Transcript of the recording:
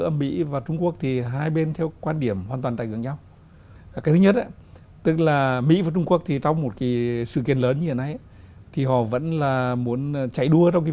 mỹ và trung quốc đều như vậy